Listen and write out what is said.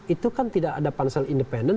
itu kan tidak ada pansel independen